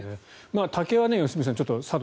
竹は、良純さん佐渡